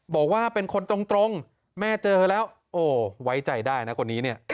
บอกว่าเป็นคนตรงแม่เจอเธอแล้วโอ้ไว้ใจได้นะคนนี้เนี่ย